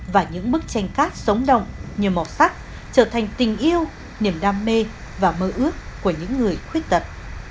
và những bức tranh cát sống động nhiều màu sắc trở thành tình yêu niềm đam mê và mơ ước của những người khuyết tật